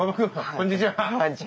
こんにちは。